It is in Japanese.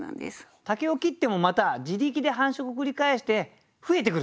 竹を切ってもまた自力で繁殖繰り返して増えてくると。